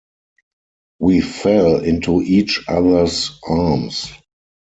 We fell into each other's arms.